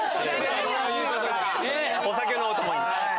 お酒のお供に。